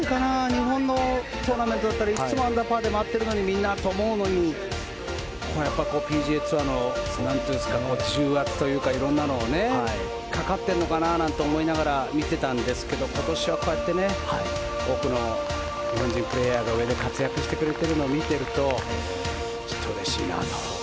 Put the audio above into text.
日本のトーナメントだったらいつもアンダーパーで回っているのにこれはＰＧＡツアーの重圧というか色んなのがかかっているのかなと思いながら見ていたんですけど今年はこうやって多くの日本人プレーヤーが上で活躍してくれているのを見ているとちょっとうれしいなと。